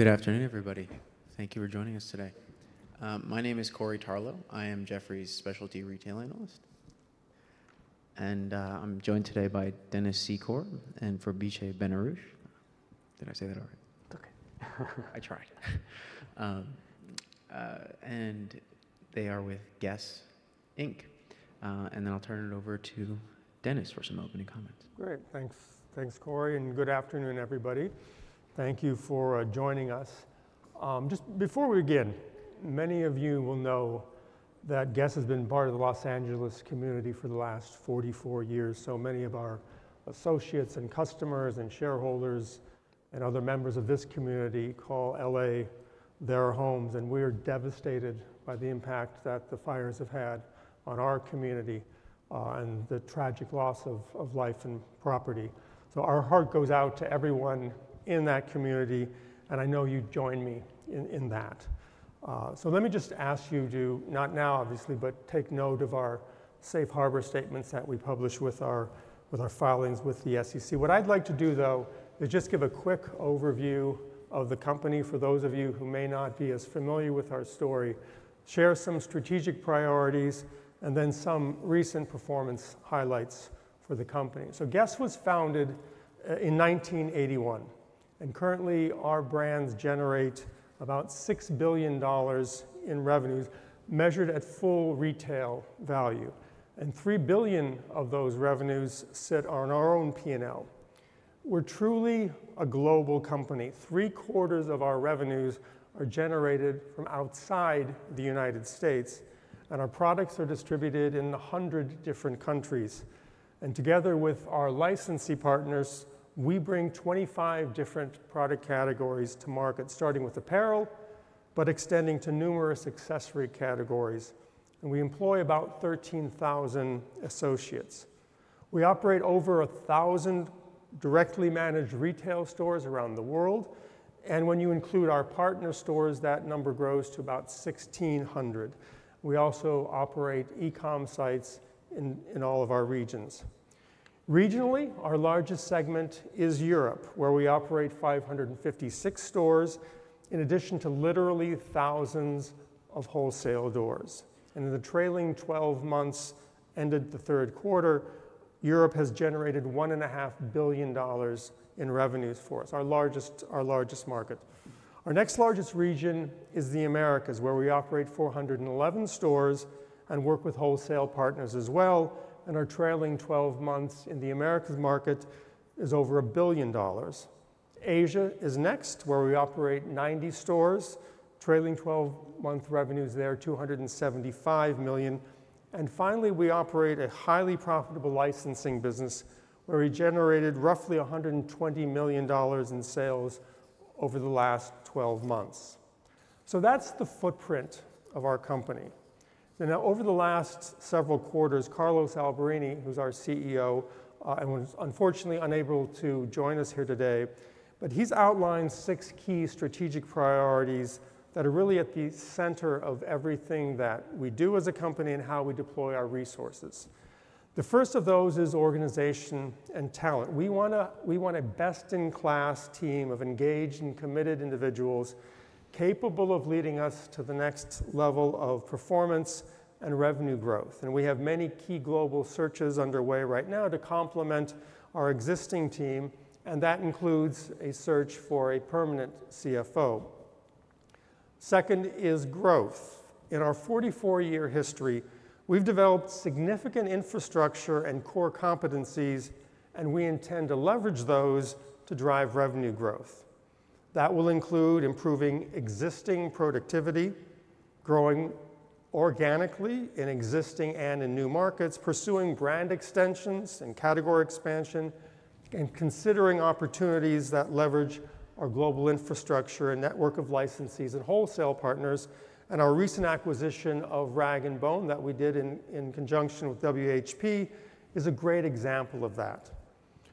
Good afternoon, everybody. Thank you for joining us today. My name is Corey Tarlowe. I am Jefferies' Specialty Retail Analyst. And I'm joined today by Dennis Secor and Fabrice Benarouche. Did I say that all right? It's OK. I tried. They are with Guess?, Inc. And then I'll turn it over to Dennis for some opening comments. Great. Thanks, Corey. And good afternoon, everybody. Thank you for joining us. Just before we begin, many of you will know that Guess? has been part of the Los Angeles community for the last 44 years. So many of our associates, and customers, and shareholders, and other members of this community call LA their homes. And we are devastated by the impact that the fires have had on our community and the tragic loss of life and property. So our heart goes out to everyone in that community. And I know you join me in that. So let me just ask you to not now, obviously, but take note of our safe harbor statements that we publish with our filings with the SEC. What I'd like to do, though, is just give a quick overview of the company for those of you who may not be as familiar with our story, share some strategic priorities, and then some recent performance highlights for the company, so Guess? was founded in 1981, and currently, our brands generate about $6 billion in revenues, measured at full retail value, and $3 billion of those revenues sit on our own P&L. We're truly a global company. Three quarters of our revenues are generated from outside the United States, and our products are distributed in 100 different countries, and together with our licensee partners, we bring 25 different product categories to market, starting with apparel, but extending to numerous accessory categories, and we employ about 13,000 associates. We operate over 1,000 directly managed retail stores around the world. When you include our partner stores, that number grows to about 1,600. We also operate e-comm sites in all of our regions. Regionally, our largest segment is Europe, where we operate 556 stores, in addition to literally thousands of wholesale doors. In the trailing 12 months, end of the third quarter, Europe has generated $1.5 billion in revenues for us, our largest market. Our next largest region is the Americas, where we operate 411 stores and work with wholesale partners as well. Our trailing 12 months in the Americas market is over $1 billion. Asia is next, where we operate 90 stores. Trailing 12-month revenues there, $275 million. Finally, we operate a highly profitable licensing business, where we generated roughly $120 million in sales over the last 12 months. That's the footprint of our company. Now, over the last several quarters, Carlos Alberini, who's our CEO, was unfortunately unable to join us here today, but he's outlined six key strategic priorities that are really at the center of everything that we do as a company and how we deploy our resources. The first of those is organization and talent. We want a best-in-class team of engaged and committed individuals capable of leading us to the next level of performance and revenue growth, and we have many key global searches underway right now to complement our existing team, and that includes a search for a permanent CFO. Second is growth. In our 44-year history, we've developed significant infrastructure and core competencies, and we intend to leverage those to drive revenue growth. That will include improving existing productivity, growing organically in existing and in new markets, pursuing brand extensions and category expansion, and considering opportunities that leverage our global infrastructure and network of licensees and wholesale partners. And our recent acquisition of Rag & Bone that we did in conjunction with WHP is a great example of that.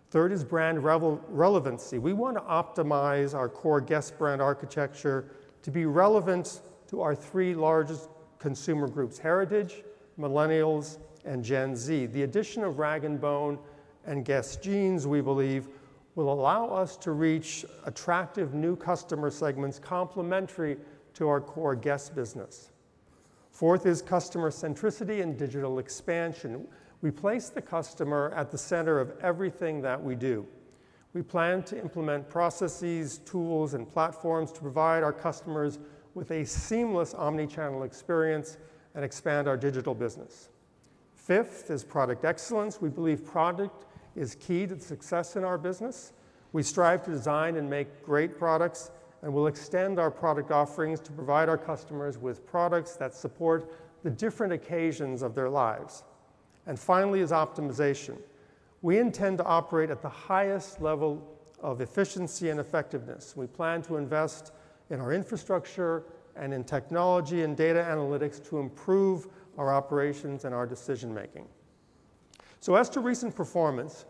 Third is brand relevancy. We want to optimize our core Guess brand architecture to be relevant to our three largest consumer groups: Heritage, Millennials, and Gen Z. The addition of Rag & Bone and Guess Jeans, we believe, will allow us to reach attractive new customer segments complementary to our core Guess business. Fourth is customer centricity and digital expansion. We place the customer at the center of everything that we do. We plan to implement processes, tools, and platforms to provide our customers with a seamless omnichannel experience and expand our digital business. Fifth is product excellence. We believe product is key to the success in our business. We strive to design and make great products and will extend our product offerings to provide our customers with products that support the different occasions of their lives. And finally is optimization. We intend to operate at the highest level of efficiency and effectiveness. We plan to invest in our infrastructure and in technology and data analytics to improve our operations and our decision-making. So, as to recent performance,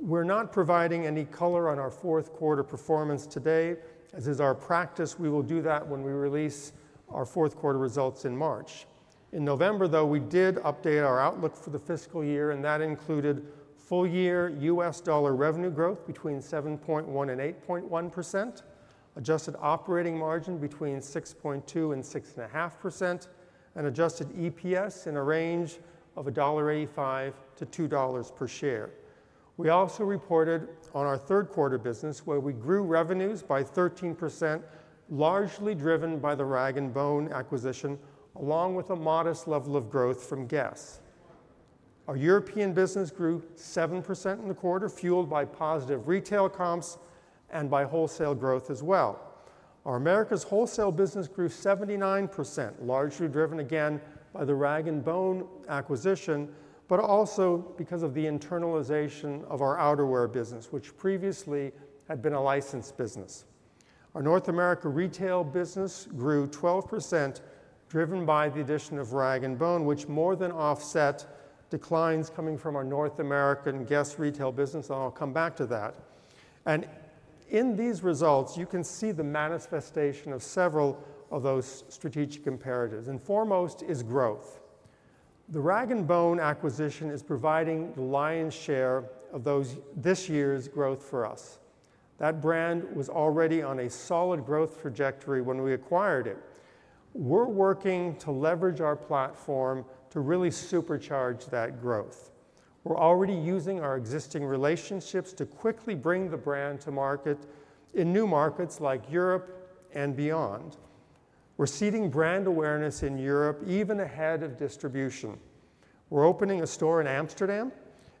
we're not providing any color on our fourth quarter performance today, as is our practice. We will do that when we release our fourth quarter results in March. In November, though, we did update our outlook for the fiscal year. That included full-year U.S. dollar revenue growth between 7.1% and 8.1%, adjusted operating margin between 6.2% and 6.5%, and adjusted EPS in a range of $1.85-$2 per share. We also reported on our third quarter business, where we grew revenues by 13%, largely driven by the Rag & Bone acquisition, along with a modest level of growth from Guess. Our European business grew 7% in the quarter, fueled by positive retail comps and by wholesale growth as well. Our Americas wholesale business grew 79%, largely driven, again, by the Rag & Bone acquisition, but also because of the internalization of our outerwear business, which previously had been a licensed business. Our North America retail business grew 12%, driven by the addition of Rag & Bone, which more than offset declines coming from our North American Guess retail business. I'll come back to that. In these results, you can see the manifestation of several of those strategic imperatives. Foremost is growth. The Rag & Bone acquisition is providing the lion's share of this year's growth for us. That brand was already on a solid growth trajectory when we acquired it. We're working to leverage our platform to really supercharge that growth. We're already using our existing relationships to quickly bring the brand to market in new markets like Europe and beyond. We're seeding brand awareness in Europe even ahead of distribution. We're opening a store in Amsterdam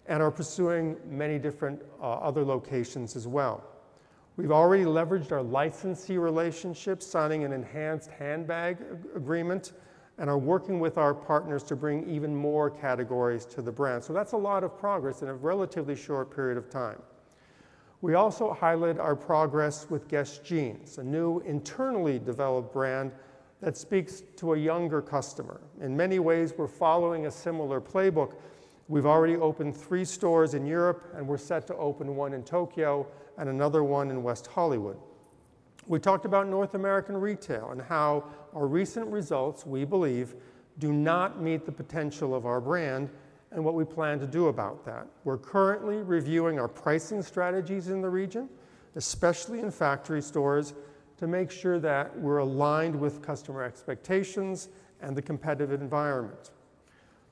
and are pursuing many different other locations as well. We've already leveraged our licensee relationships, signing an enhanced handbag agreement, and are working with our partners to bring even more categories to the brand. That's a lot of progress in a relatively short period of time. We also highlight our progress with Guess Jeans, a new internally developed brand that speaks to a younger customer. In many ways, we're following a similar playbook. We've already opened three stores in Europe, and we're set to open one in Tokyo and another one in West Hollywood. We talked about North American retail and how our recent results, we believe, do not meet the potential of our brand and what we plan to do about that. We're currently reviewing our pricing strategies in the region, especially in factory stores, to make sure that we're aligned with customer expectations and the competitive environment.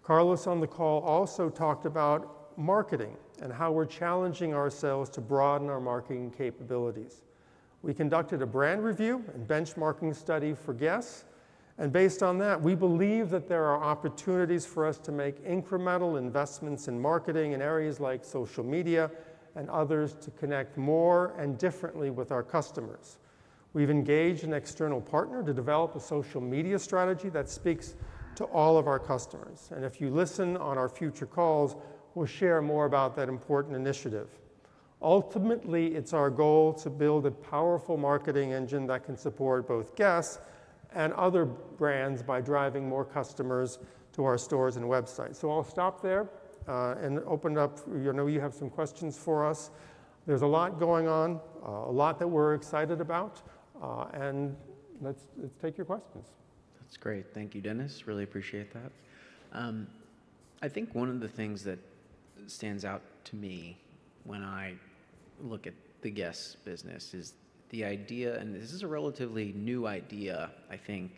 Carlos on the call also talked about marketing and how we're challenging ourselves to broaden our marketing capabilities. We conducted a brand review and benchmarking study for Guess. Based on that, we believe that there are opportunities for us to make incremental investments in marketing in areas like social media and others to connect more and differently with our customers. We've engaged an external partner to develop a social media strategy that speaks to all of our customers. If you listen on our future calls, we'll share more about that important initiative. Ultimately, it's our goal to build a powerful marketing engine that can support both Guess and other brands by driving more customers to our stores and websites. I'll stop there and open it up. I know you have some questions for us. There's a lot going on, a lot that we're excited about. Let's take your questions. That's great. Thank you, Dennis. Really appreciate that. I think one of the things that stands out to me when I look at the Guess business is the idea, and this is a relatively new idea, I think,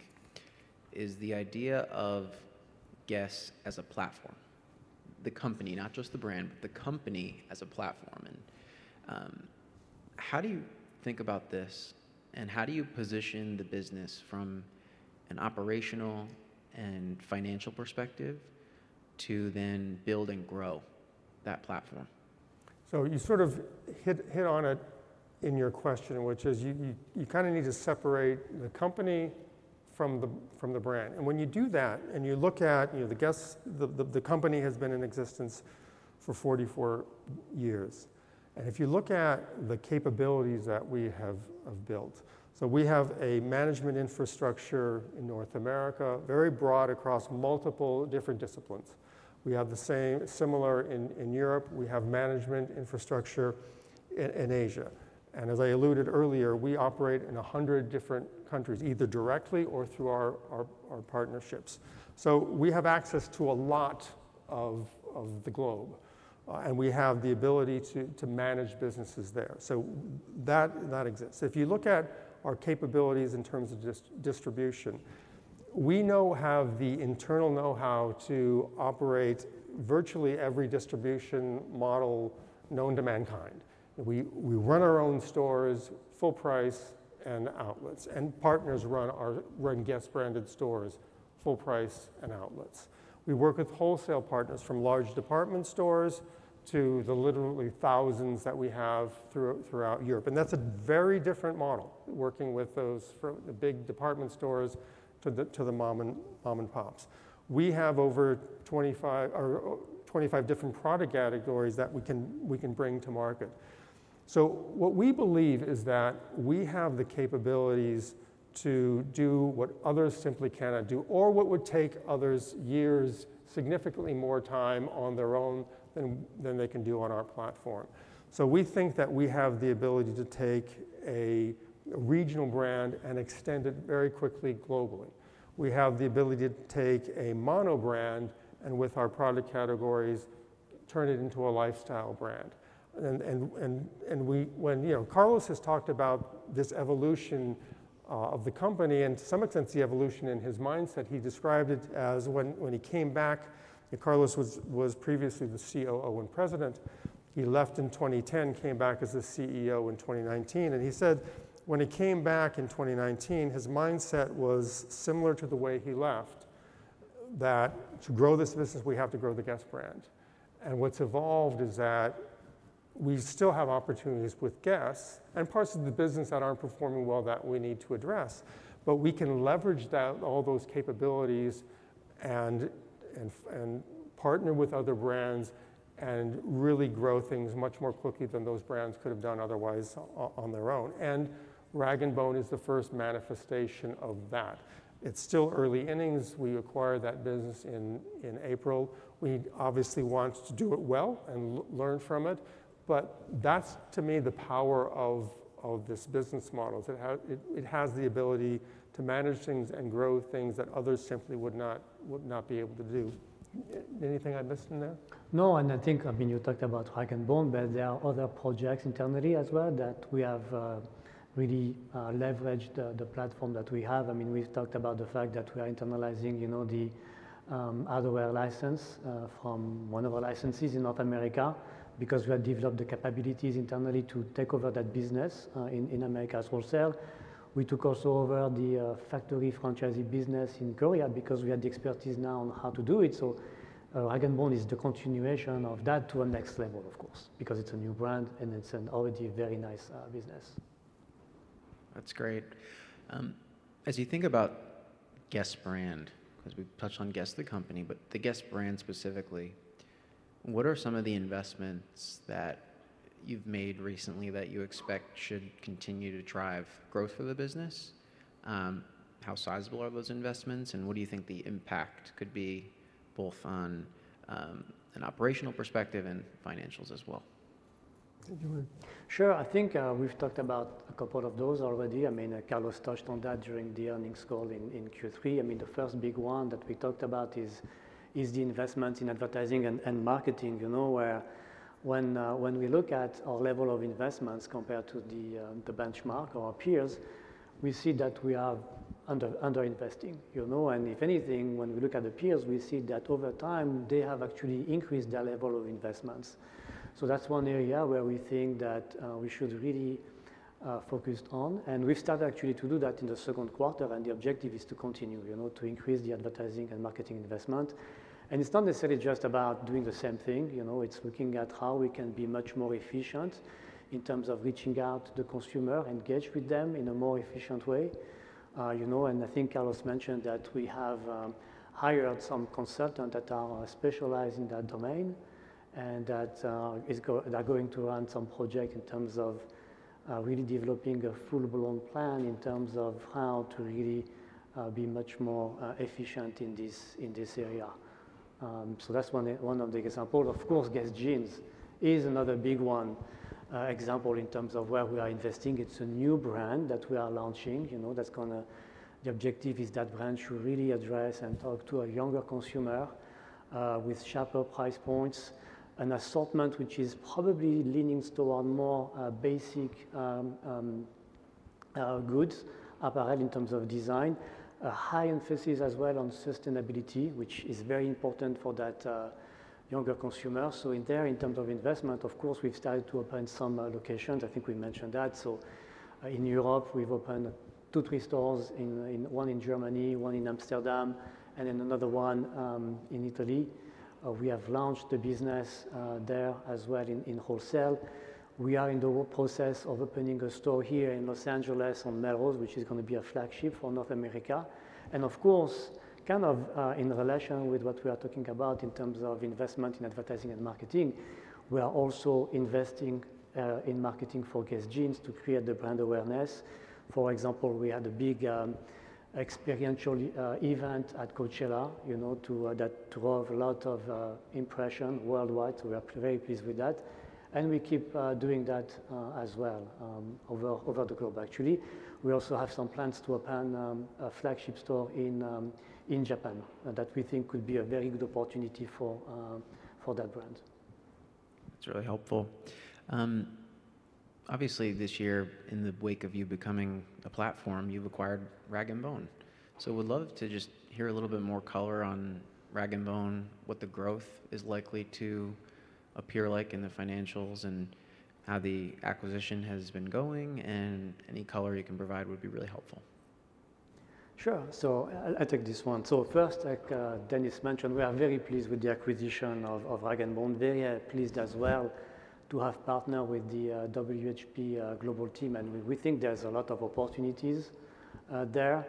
is the idea of Guess as a platform. The company, not just the brand, but the company as a platform. And how do you think about this? And how do you position the business from an operational and financial perspective to then build and grow that platform? So you sort of hit on it in your question, which is you kind of need to separate the company from the brand, and when you do that and you look at the company has been in existence for 44 years, and if you look at the capabilities that we have built, so we have a management infrastructure in North America, very broad across multiple different disciplines. We have the same similar in Europe. We have management infrastructure in Asia, and as I alluded earlier, we operate in 100 different countries, either directly or through our partnerships, so we have access to a lot of the globe, and we have the ability to manage businesses there, so that exists. If you look at our capabilities in terms of distribution, we know we have the internal know-how to operate virtually every distribution model known to mankind. We run our own stores full price and outlets. And partners run Guess? branded stores full price and outlets. We work with wholesale partners from large department stores to the literally thousands that we have throughout Europe. And that's a very different model, working with those big department stores to the mom-and-pops. We have over 25 different product categories that we can bring to market. So what we believe is that we have the capabilities to do what others simply cannot do or what would take others years, significantly more time on their own than they can do on our platform. So we think that we have the ability to take a regional brand and extend it very quickly globally. We have the ability to take a mono brand and, with our product categories, turn it into a lifestyle brand. And when Carlos has talked about this evolution of the company and, to some extent, the evolution in his mindset, he described it as when he came back. Carlos was previously the COO and President. He left in 2010, came back as the CEO in 2019. And he said when he came back in 2019, his mindset was similar to the way he left, that to grow this business, we have to grow the Guess brand. And what's evolved is that we still have opportunities with Guess and parts of the business that aren't performing well that we need to address. But we can leverage all those capabilities and partner with other brands and really grow things much more quickly than those brands could have done otherwise on their own. And Rag & Bone is the first manifestation of that. It's still early innings. We acquired that business in April. We obviously want to do it well and learn from it. But that's, to me, the power of this business model. It has the ability to manage things and grow things that others simply would not be able to do. Anything I missed in there? No, and I think, I mean, you talked about Rag & Bone, but there are other projects internally as well that we have really leveraged the platform that we have. I mean, we've talked about the fact that we are internalizing the outerwear license from one of our licensees in North America because we have developed the capabilities internally to take over that business in Americas wholesale. We took also over the factory franchisee business in Korea because we have the expertise now on how to do it. So Rag & Bone is the continuation of that to a next level, of course, because it's a new brand and it's already a very nice business. That's great. As you think about Guess brand, because we've touched on Guess the company, but the Guess brand specifically, what are some of the investments that you've made recently that you expect should continue to drive growth for the business? How sizable are those investments? And what do you think the impact could be both on an operational perspective and financials as well? Sure. I think we've talked about a couple of those already. I mean, Carlos touched on that during the earnings call in Q3. I mean, the first big one that we talked about is the investments in advertising and marketing, where when we look at our level of investments compared to the benchmark of our peers, we see that we are underinvesting. And if anything, when we look at the peers, we see that over time they have actually increased their level of investments. So that's one area where we think that we should really focus on. And we've started actually to do that in the second quarter. And the objective is to continue to increase the advertising and marketing investment. And it's not necessarily just about doing the same thing. It's looking at how we can be much more efficient in terms of reaching out to the consumer, engage with them in a more efficient way, and I think Carlos mentioned that we have hired some consultants that are specialized in that domain and that are going to run some projects in terms of really developing a full-blown plan in terms of how to really be much more efficient in this area, so that's one of the examples. Of course, Guess Jeans is another big one example in terms of where we are investing. It's a new brand that we are launching that's going to the objective is that brand should really address and talk to a younger consumer with sharper price points, an assortment which is probably leaning toward more basic goods, apparel in terms of design. A high emphasis as well on sustainability, which is very important for that younger consumer, so in there, in terms of investment, of course, we've started to open some locations. I think we mentioned that, so in Europe, we've opened two, three stores, one in Germany, one in Amsterdam, and then another one in Italy. We have launched the business there as well in wholesale. We are in the process of opening a store here in Los Angeles on Melrose, which is going to be a flagship for North America, and of course, kind of in relation with what we are talking about in terms of investment in advertising and marketing, we are also investing in marketing for Guess Jeans to create the brand awareness. For example, we had a big experiential event at Coachella that drove a lot of impressions worldwide, so we are very pleased with that. We keep doing that as well over the globe, actually. We also have some plans to open a flagship store in Japan that we think could be a very good opportunity for that brand. That's really helpful. Obviously, this year, in the wake of you becoming a platform, you've acquired Rag & Bone. So we'd love to just hear a little bit more color on Rag & Bone, what the growth is likely to appear like in the financials and how the acquisition has been going. And any color you can provide would be really helpful. Sure. So I'll take this one. So first, like Dennis mentioned, we are very pleased with the acquisition of Rag & Bone, very pleased as well to have partnered with the WHP Global team. And we think there's a lot of opportunities there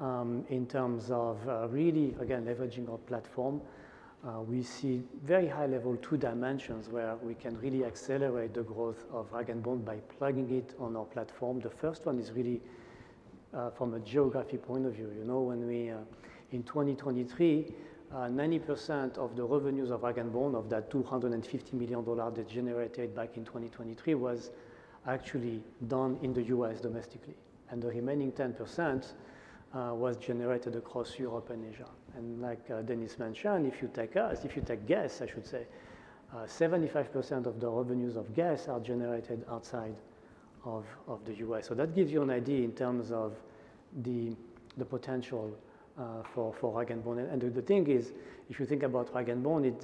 in terms of really, again, leveraging our platform. We see very high-level two dimensions where we can really accelerate the growth of Rag & Bone by plugging it on our platform. The first one is really from a geography point of view. In 2023, 90% of the revenues of Rag & Bone, of that $250 million that generated back in 2023, was actually done in the U.S. domestically. And the remaining 10% was generated across Europe and Asia. And like Dennis mentioned, if you take us, if you take Guess, I should say, 75% of the revenues of Guess are generated outside of the U.S. So that gives you an idea in terms of the potential for Rag & Bone. And the thing is, if you think about Rag & Bone,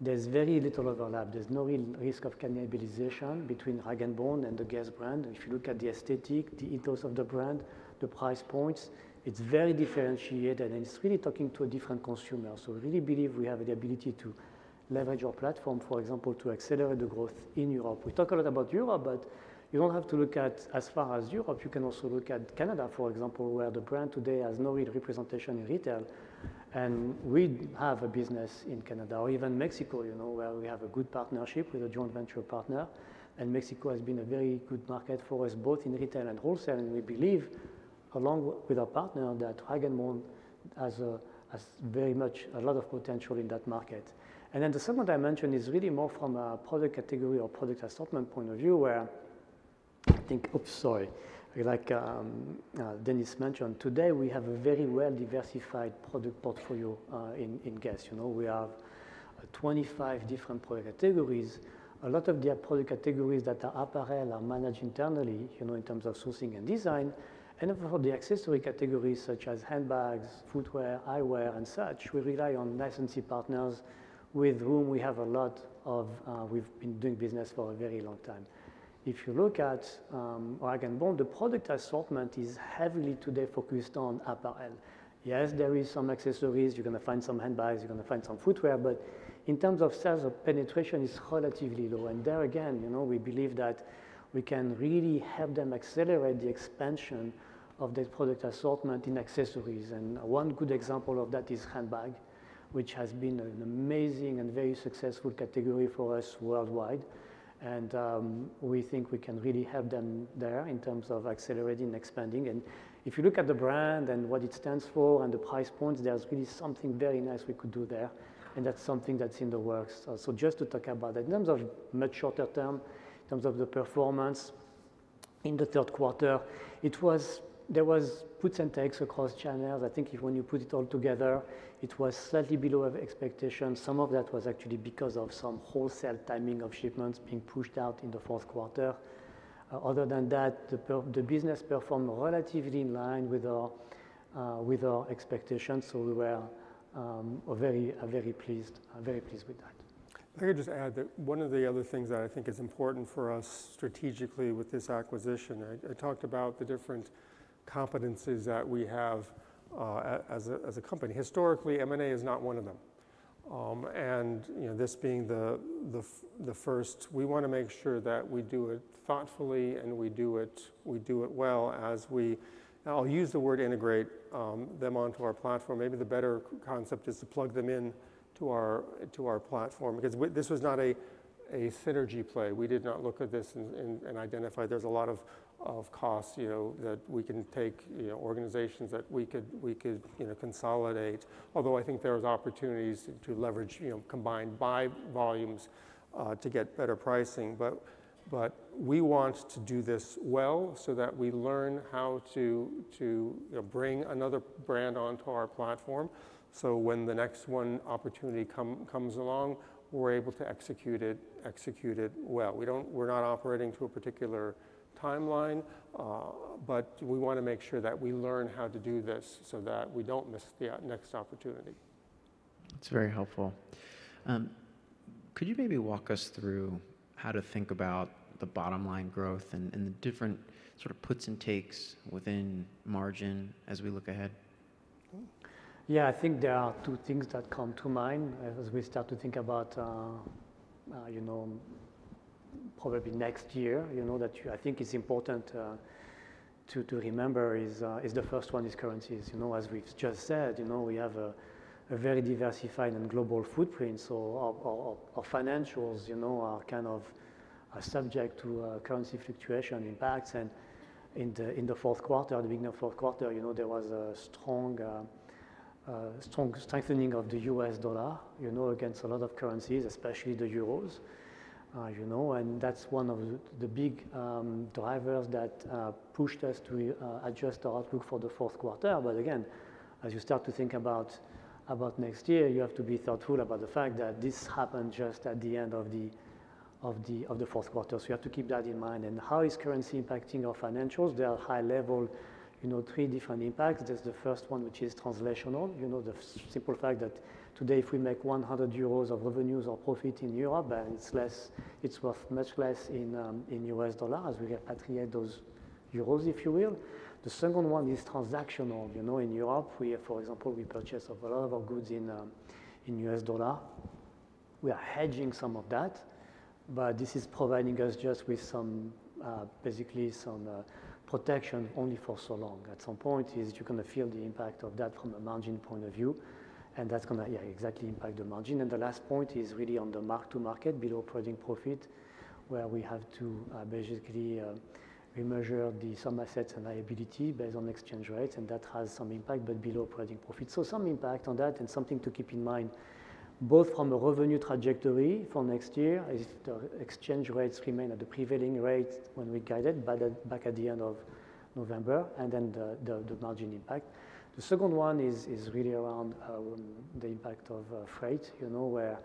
there's very little overlap. There's no real risk of cannibalization between Rag & Bone and the Guess brand. If you look at the aesthetic, the ethos of the brand, the price points, it's very differentiated. And it's really talking to a different consumer. So we really believe we have the ability to leverage our platform, for example, to accelerate the growth in Europe. We talk a lot about Europe, but you don't have to look at as far as Europe. You can also look at Canada, for example, where the brand today has no real representation in retail. And we have a business in Canada or even Mexico, where we have a good partnership with a joint venture partner. Mexico has been a very good market for us, both in retail and wholesale. We believe, along with our partner, that Rag & Bone has very much a lot of potential in that market. Then the second dimension is really more from a product category or product assortment point of view, where I think, oops, sorry, like Dennis mentioned, today we have a very well-diversified product portfolio in Guess. We have 25 different product categories. A lot of the product categories that are apparel are managed internally in terms of sourcing and design. For the accessory categories, such as handbags, footwear, eyewear, and such, we rely on licensing partners with whom we have a lot of we've been doing business for a very long time. If you look at Rag & Bone, the product assortment is heavily today focused on apparel. Yes, there are some accessories. You're going to find some handbags. You're going to find some footwear. But in terms of sales penetration, it's relatively low. And there, again, we believe that we can really help them accelerate the expansion of their product assortment in accessories. And one good example of that is handbag, which has been an amazing and very successful category for us worldwide. And we think we can really help them there in terms of accelerating and expanding. And if you look at the brand and what it stands for and the price points, there's really something very nice we could do there. And that's something that's in the works. So just to talk about that, in terms of much shorter term, in terms of the performance in the third quarter, there were puts and takes across channels. I think when you put it all together, it was slightly below expectations. Some of that was actually because of some wholesale timing of shipments being pushed out in the fourth quarter. Other than that, the business performed relatively in line with our expectations. So we were very pleased with that. I could just add that one of the other things that I think is important for us strategically with this acquisition. I talked about the different competencies that we have as a company. Historically, M&A is not one of them. And this being the first, we want to make sure that we do it thoughtfully and we do it well as we I'll use the word integrate them onto our platform. Maybe the better concept is to plug them into our platform because this was not a synergy play. We did not look at this and identify there's a lot of costs that we can take, organizations that we could consolidate. Although I think there are opportunities to leverage combined buy volumes to get better pricing. But we want to do this well so that we learn how to bring another brand onto our platform so when the next one opportunity comes along, we're able to execute it well. We're not operating to a particular timeline. But we want to make sure that we learn how to do this so that we don't miss the next opportunity. That's very helpful. Could you maybe walk us through how to think about the bottom line growth and the different sort of puts and takes within margin as we look ahead? Yeah. I think there are two things that come to mind as we start to think about probably next year that I think it's important to remember is the first one is currencies. As we've just said, we have a very diversified and global footprint. So our financials are kind of subject to currency fluctuation impacts. And in the fourth quarter, the beginning of the fourth quarter, there was a strong strengthening of the U.S. dollar against a lot of currencies, especially the euros. And that's one of the big drivers that pushed us to adjust our outlook for the fourth quarter. But again, as you start to think about next year, you have to be thoughtful about the fact that this happened just at the end of the fourth quarter. So you have to keep that in mind. And how is currency impacting our financials? There are high-level three different impacts. There's the first one, which is translational, the simple fact that today, if we make 100 euros of revenues or profit in Europe, it's worth much less in U.S. dollars as we repatriate those euros, if you will. The second one is transactional. In Europe, for example, we purchase a lot of our goods in U.S. dollars. We are hedging some of that. But this is providing us just with basically some protection only for so long. At some point, you're going to feel the impact of that from a margin point of view. And that's going to exactly impact the margin. And the last point is really on the mark-to-market, below operating profit, where we have to basically remeasure some assets and liabilities based on exchange rates. And that has some impact, but below operating profit. So some impact on that and something to keep in mind, both from a revenue trajectory for next year if the exchange rates remain at the prevailing rate when we guide it back at the end of November and then the margin impact. The second one is really around the impact of freight, where,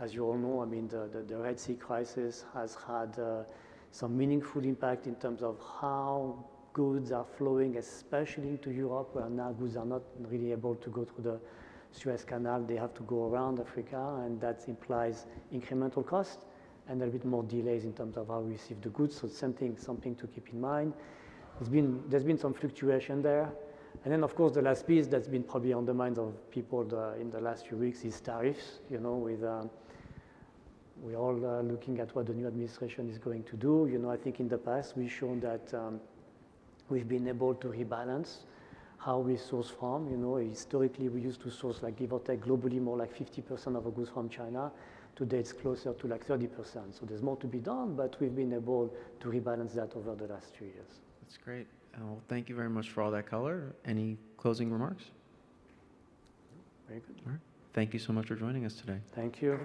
as you all know, I mean, the Red Sea crisis has had some meaningful impact in terms of how goods are flowing, especially into Europe, where now goods are not really able to go through the Suez Canal. They have to go around Africa. And that implies incremental costs and a little bit more delays in terms of how we receive the goods. So it's something to keep in mind. There's been some fluctuation there. And then, of course, the last piece that's been probably on the minds of people in the last few weeks is tariffs. We're all looking at what the new administration is going to do. I think in the past, we've shown that we've been able to rebalance how we source from. Historically, we used to source, like give or take globally, more like 50% of our goods from China. Today, it's closer to like 30%. So there's more to be done. But we've been able to rebalance that over the last few years. That's great. Well, thank you very much for all that color. Any closing remarks? Very good. All right. Thank you so much for joining us today. Thank you.